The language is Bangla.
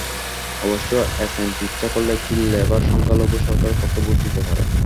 অবশ্য এসএনপি ইচ্ছা করলে একটি লেবার সংখ্যালঘু সরকারের পক্ষে ভোট দিতে পারে।